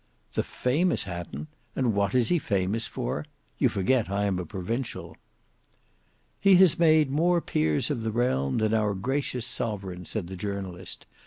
"The famous Hatton! And what is he famous for? You forget I am a provincial." "He has made more peers of the realm than our gracious Sovereign," said the journalist.